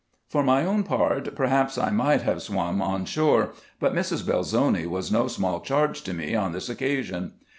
For my own part, perhaps I might have swam on shore; but Mrs. Belzoni was no small charge to me on this occasion.